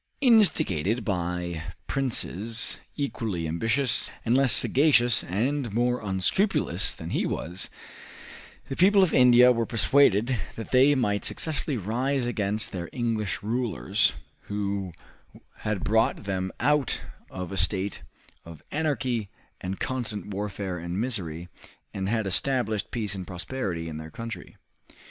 Instigated by princes equally ambitious and less sagacious and more unscrupulous than he was, the people of India were persuaded that they might successfully rise against their English rulers, who had brought them out of a state of anarchy and constant warfare and misery, and had established peace and prosperity in their country.